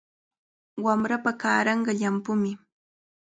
Wamrapa kaaranqa llampumi.